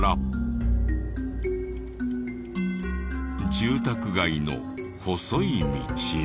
住宅街の細い道へ。